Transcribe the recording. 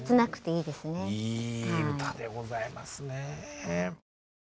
いい歌でございますね。